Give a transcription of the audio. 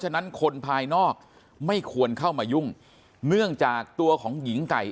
ฉะนั้นคนภายนอกไม่ควรเข้ามายุ่งเนื่องจากตัวของหญิงไก่